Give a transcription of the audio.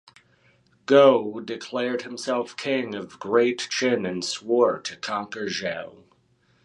Gou declared himself King of Great Qin and swore to conquer Zhao.